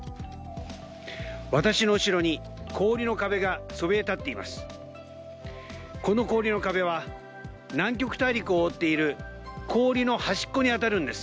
私の後ろに氷の壁がそびえ立っています。